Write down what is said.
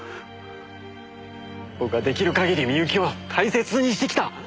僕は出来る限り深雪を大切にしてきた。